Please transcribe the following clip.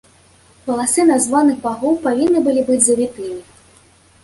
Валасы названых багоў павінны былі быць завітымі.